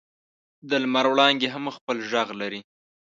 د لمر وړانګې هم خپل ږغ لري.